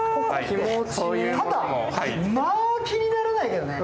ただ、まあ気にならないけどね。